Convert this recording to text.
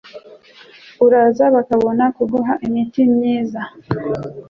uraza bakabona kuguha imiti myiza